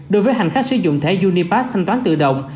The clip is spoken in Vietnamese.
đối với hành khách sử dụng thẻ unipad thanh toán tự động